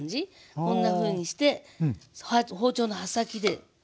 こんなふうにして包丁の刃先で。